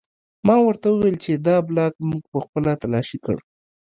ما ورته وویل چې دا بلاک موږ پخپله تلاشي کړ